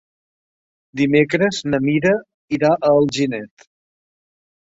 Dimecres na Mira irà a Alginet.